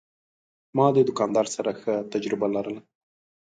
ما د دوکاندار سره ښه تجربه لرله.